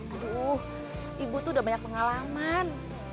aduh ibu tuh udah banyak pengalaman